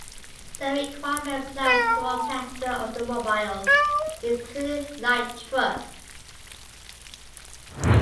The requirement applies to all passenger automobiles, including light trucks.